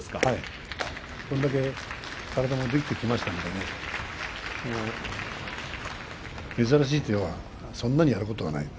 これだけ体もできてきましたので珍しい手はそんなにやることはない。